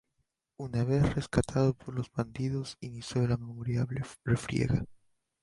Una vez rescatado por los bandidos, inició la memorable refriega.